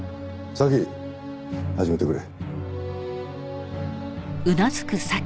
早紀始めてくれ。